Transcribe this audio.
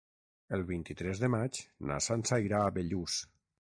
El vint-i-tres de maig na Sança irà a Bellús.